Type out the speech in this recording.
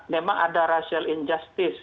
memang ada racial injustice